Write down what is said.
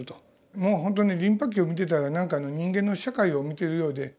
もうほんとにリンパ球を見てたら何かの人間の社会を見てるようで。